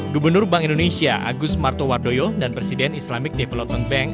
gubernur bank indonesia agus martowardoyo dan presiden islamic development bank